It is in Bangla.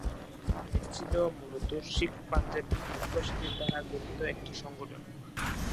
এটি ছিল মূলত শিখ-পাঞ্জাবী অভিবাসীদের দ্বারা গঠিত একটি সংগঠন।